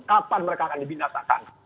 kapan mereka akan dibinasakan